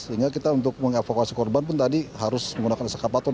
sehingga kita untuk meng evakuasi korban pun tadi harus menggunakan eskapator